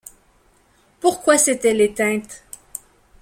Pourquoi s’est-elle éteinte?